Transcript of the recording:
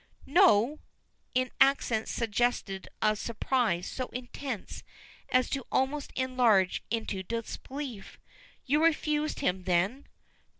"No!" In accents suggestive of surprise so intense as to almost enlarge into disbelief. "You refused him then?"